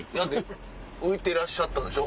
浮いてらっしゃったんでしょ？